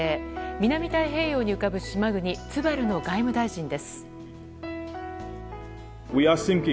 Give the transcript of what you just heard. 南太平洋に浮かぶ島国ツバルの外務大臣です。